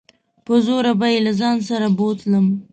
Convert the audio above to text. په زوره به يې له ځان سره بوتلم.